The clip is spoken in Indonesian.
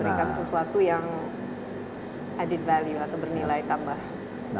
memberikan sesuatu yang added value atau bernilai tambahan